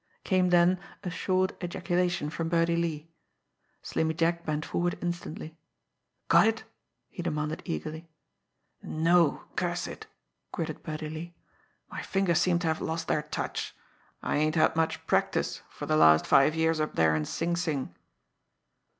Came then a short ejaculation from Birdie Lee. Slimmy Jack bent forward instantly. "Got it?" he demanded eagerly. "No curse it!" gritted Birdie Lee. "My fingers seem to have lost their touch I ain't had much practice for the last five years up there in Sing Sing!"